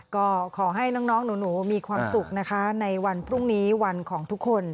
ก็ขอให้น้องหนูมีความสุขนะคะในวันพรุ่งนี้วันของทุกคน